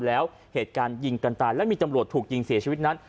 แล้วเหตุการณ์ยิงกันตายและมีตำรวจถูกยิงเสียชีวิตนั้น